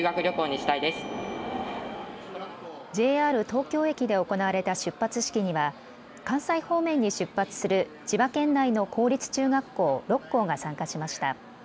ＪＲ東京駅で行われた出発式には関西方面に出発する千葉県内の公立中学校６校が参加しました。